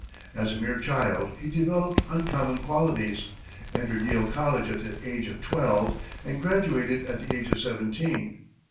As a mere child, he developed uncommon qualities, entered Yale College at the age of twelve and graduated at the age of seventeen.